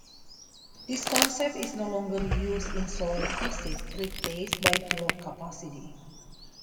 This concept is no longer used in soil physics, replaced by field capacity.